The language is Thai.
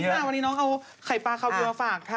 นี่ค่ะวันนี้น้องเอาไข่ปลาเควียร์ฝากค่ะ